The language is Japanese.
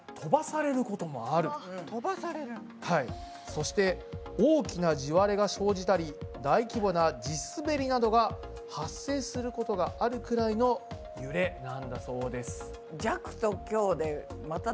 そして大きな地割れが生じたり大規模な地すべりなどが発生することがあるくらいのゆれなんだそうです。ね。